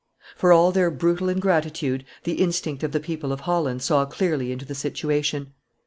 For all their brutal ingratitude, the instinct of the people of Holland saw clearly into the situation.